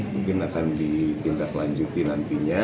mungkin akan dikita lanjuti nantinya